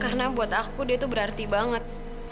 karena buat aku dia tuh berarti banget